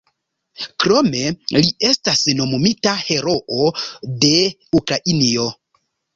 Krome li estas nomumita "Heroo de Ukrainio".